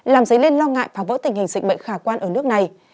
làm dấy lên lo ngại phá vỡ tình hình dịch bệnh khả quan ở nước này